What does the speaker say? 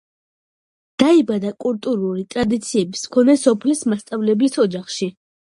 . დაიბადა კულტურული ტრადიციების მქონე სოფლის მასწავლებლის ოჯახში.